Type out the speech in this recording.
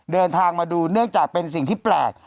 เดินทางมาดูเนื่องจากเป็นสิ่งที่แปลก